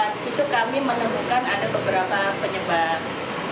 disitu kami menemukan ada beberapa penyebab